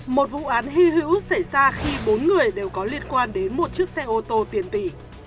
một vụ án hy hữu xảy ra khi bốn người đều có liên quan đến một chiếc xe ô tô tiền tỷ